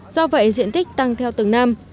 do vậy diện tích tăng theo từng năm